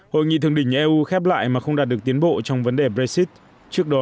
hội nghị thường đình eu khép lại mà không đạt được tiến bộ trong vấn đề brexit trước đó